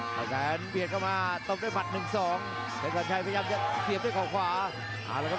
ต้องโดนก่อนเครื่องถึงจะร้อนครับ